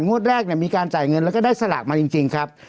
งวดแรกมีการจ่ายเงินแล้วก็ได้สลากมาจริงครับ